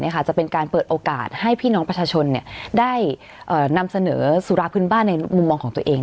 จะเป็นการเปิดโอกาสให้พี่น้องประชาชนได้นำเสนอสุราพื้นบ้านในมุมมองของตัวเอง